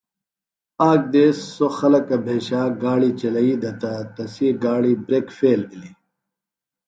آک دیس سوۡ خلکہ بھیشا گاڑیۡ چلئی دےۡ تہ تسی گاڑیۡ بریک فیل بِھلیۡ۔